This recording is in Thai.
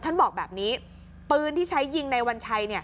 ท่านบอกแบบนี้ปืนที่ใช้ยิงในวัญชัย